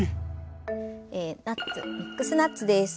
ナッツミックスナッツです。